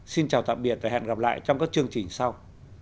xin chào tạm biệt và hẹn gặp lại trong các chương trình sau